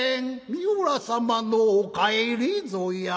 「三浦様のお帰りぞや」